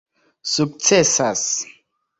sukcesas